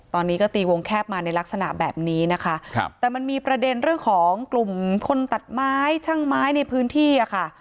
ตอนนี้ก็ตีวงแคบมาในลักษณะแบบนี้นะคะครับแต่มันมีประเด็นเรื่องของกลุ่มคนตัดไม้ช่างไม้ในพื้นที่อ่ะค่ะ